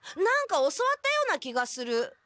何か教わったような気がする！